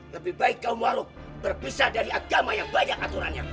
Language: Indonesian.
lebih baik kaum walu berpisah dari agama yang banyak aturannya